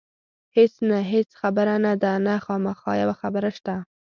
هېڅ نه، هېڅ خبره نه ده، نه، خامخا یوه خبره شته.